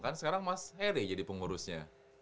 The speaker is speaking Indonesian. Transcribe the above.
kan sekarang mas heri jadi pengurusnya